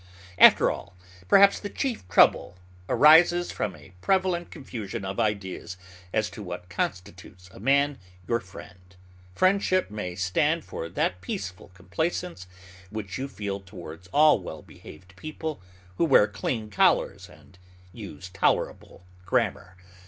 After all, perhaps the chief trouble arises from a prevalent confusion of ideas as to what constitutes a man your friend. Friendship may stand for that peaceful complacence which you feel towards all well behaved people who wear clean collars and use tolerable grammar.